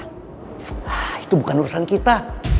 nah itu bukan urusan kita